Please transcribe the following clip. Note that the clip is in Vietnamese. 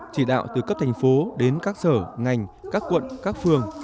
chỉ đạo từ cấp thành phố đến các sở ngành các quận các phường